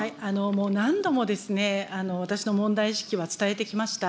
もう何度も私の問題意識は伝えてきました。